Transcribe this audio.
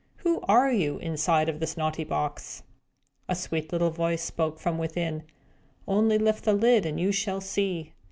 "Who are you, inside of this naughty box?" A sweet little voice spoke from within "Only lift the lid, and you shall see."